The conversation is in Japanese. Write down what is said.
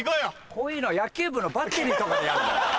こういうのは野球部のバッテリーとかでやるんだよ。